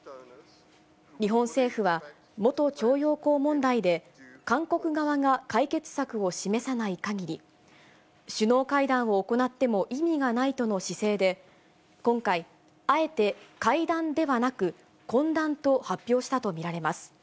日本政府は、元徴用工問題で韓国側が解決策を示さないかぎり、首脳会談を行っても意味がないとの姿勢で、今回、あえて会談ではなく、懇談と発表したと見られます。